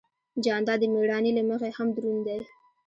جانداد د مېړانې له مخې هم دروند دی.